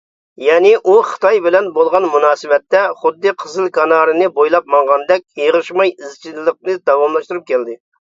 (يەنى ئۇ خىتاي بىلەن بولغان مۇناسىۋەتتە، خۇددى قىزىل كانارىنى بويلاپ ماڭغاندەك، ئېغىشماي ئىزچىللىقنى داۋاملاشتۇرۇپ كەلدى.)